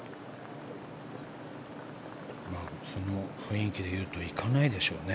その雰囲気でいうと行かないでしょうね。